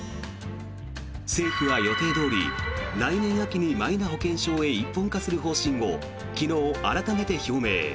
政府は予定どおり、来年秋にマイナ保険証へ一本化する方針を昨日、改めて表明。